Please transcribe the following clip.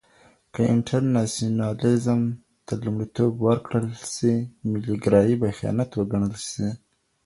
که انټرناسيونالېزم ته لومړيتوب ورکړل سي، ملي ګرايي به خيانت وګڼل سي.